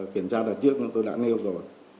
kiểm tra đợt trước tôi đã nêu rồi